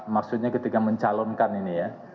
maksudnya ketika mencalonkan ini ya